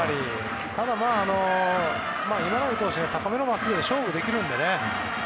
ただ、今永投手は高めのまっすぐで勝負できるのでね。